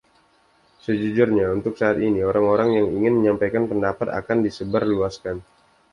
Sejujurnya, untuk saat ini orang-orang yang ingin menyampaikan pendapat akan disebar luaskan.